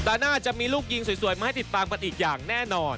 หน้าจะมีลูกยิงสวยมาให้ติดตามกันอีกอย่างแน่นอน